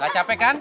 gak capek kan